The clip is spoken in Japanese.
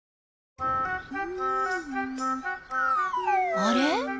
あれ？